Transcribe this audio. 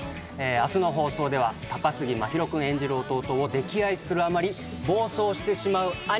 明日の放送では高杉真宙君演じる弟を溺愛するあまり暴走してしまう兄が大活躍します。